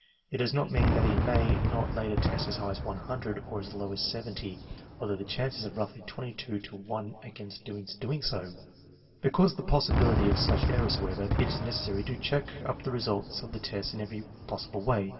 It does not mean that he may not later test as high as 100 or as low as 70, although the chances are roughly 2$ to 1 against his doing so. Because of the possibility of such errors, however, it is necessary to check up the results of the tests in every possible way.